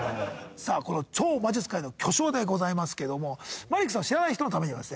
さあこの超魔術界の巨匠でございますけどもマリックさんを知らない人のためにですね。